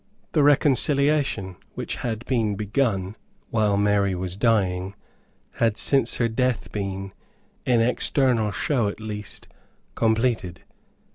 The reconciliation, which had been begun while Mary was dying, had since her death been, in external show at least, completed.